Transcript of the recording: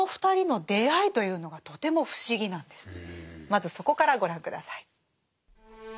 まずそこからご覧下さい。